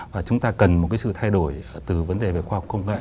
và chúng ta cần một sự thay đổi từ vấn đề về khoa học công nghệ